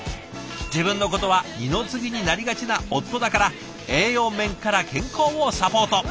自分のことは二の次になりがちな夫だから栄養面から健康をサポート。